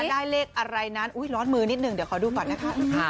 ได้เลขอะไรนั้นอุ๊ยร้อนมือนิดนึงเดี๋ยวขอดูก่อนนะคะ